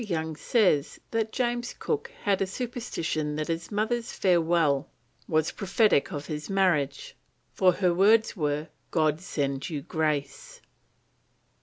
Young says that James Cook had a superstition that his mother's farewell was prophetic of his marriage, for her words were "God send you Grace."